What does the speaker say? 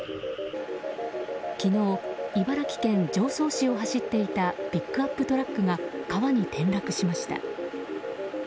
昨日、茨城県常総市を走っていたピックアップトラックが川に転落しました。